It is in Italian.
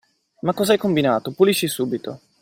Ma cosa hai combinato? Pulisci subito!